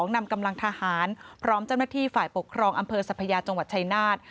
นำกำลังทหารพร้อมเจ้าหน้าที่ฝ่ายปกครองอำเภอสัพยาจังหวัดชายนาฏ